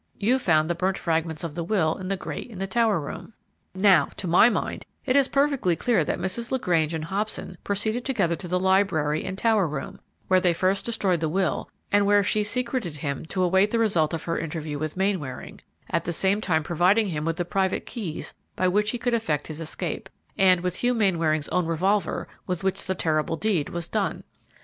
You found the burnt fragments of the will in the grate in the tower room. "Now, to my mind, it is perfectly clear that Mrs. LaGrange and Hobson proceeded together to the library and tower room, where they first destroyed the will, and where she secreted him to await the result of her interview with Mainwaring, at the same time providing him with the private keys by which he could effect his escape, and with Hugh Mainwaring's own revolver with which the terrible deed was done.